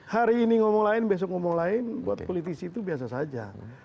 hari ini ngomong lain besok ngomong lain buat politisi itu biasa saja